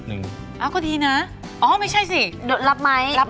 แม่บ้านประจันบัน